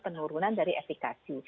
penurunan dari efikasi